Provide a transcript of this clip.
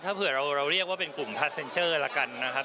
ถ้าเผื่อเราเรียกว่าเป็นกลุ่มพลาสเซ็นเจอร์ละกันนะครับ